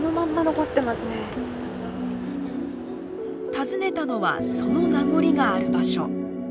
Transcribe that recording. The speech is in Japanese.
訪ねたのはその名残がある場所。